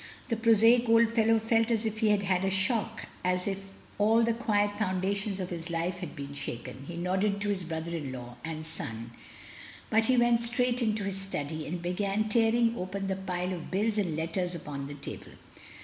The prosaic old fellow felt as if he had had a shock, as if all the quiet foundations of his life had been shaken. He nodded to his brother in law, and son, but he went straight into his study, and began tearing open the pile of bills and letters upon the table.